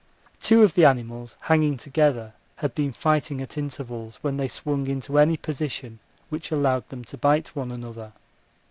Two of the animals hanging together had been fighting at intervals when they swung into any position which allowed them to bite one another.